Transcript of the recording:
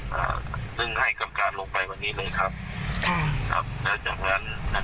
ที่ทุกคนไปคุยกับติดว่าถ้าติดจริงยังไง